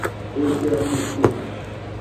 Edexoxo.